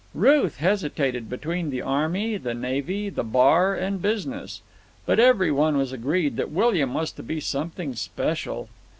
Ruth hesitated between the army, the navy, the bar, and business. But every one was agreed that William was to be something special.